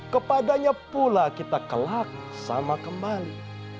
kepadanya pula kita kelak sama kembali